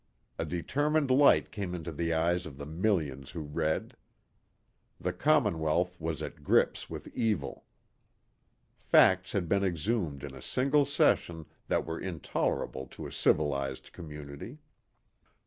A determined light came into the eyes of the millions who read. The commonwealth was at grips with evil. Facts had been exhumed in a single session that were intolerable to a civilized community.